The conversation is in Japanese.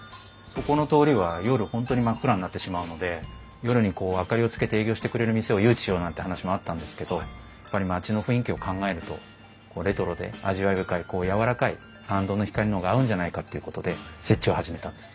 ここの通りは夜本当に真っ暗になってしまうので夜に明かりをつけて営業してくれる店を誘致しようなんて話もあったんですけどやっぱり町の雰囲気を考えるとレトロで味わい深いやわらかい行灯の光の方が合うんじゃないかっていうことで設置を始めたんです。